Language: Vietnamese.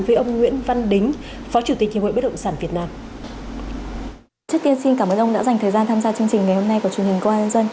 với ông nguyễn văn đính phó chủ tịch hiệp hội bất động sản việt nam